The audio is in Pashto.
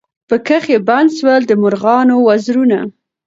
پکښي بند سول د مرغانو وزرونه